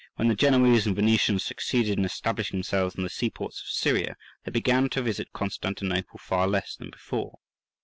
When the Genoese and Venetians succeeded in establishing themselves in the seaports of Syria, they began to visit Constantinople far less than before.